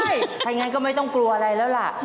โอ้ยถ้าอย่างนั้นก็ไม่ต้องกลัวอะไรแล้วล่ะ